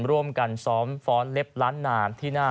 ร่วมกันซ้อมฟ้อนเล็บล้านนามที่หน้า